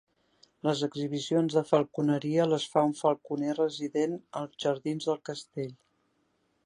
Les exhibicions de falconeria les fa un falconer resident als jardins del castell.